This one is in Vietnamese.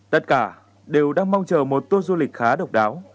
tất cả đều đang mong chờ một tour du lịch khá độc đáo